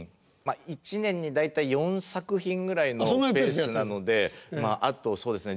１年に大体４作品ぐらいのペースなのであとそうですね